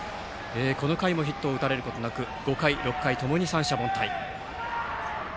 この回もヒットを打たれることなく５回、６回ともに三者凡退。